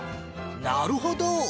なるほど。